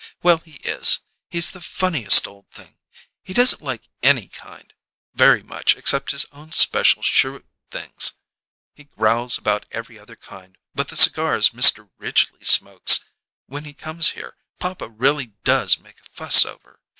"Well, he is. He's the funniest old thing; he doesn't like any kind very much except his own special cheroot things. He growls about every other kind, but the cigars Mr. Ridgely smokes when he comes here, papa really does make a fuss over!